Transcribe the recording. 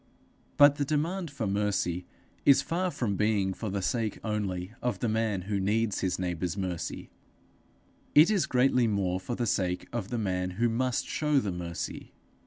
But the demand for mercy is far from being for the sake only of the man who needs his neighbour's mercy; it is greatly more for the sake of the man who must show the mercy.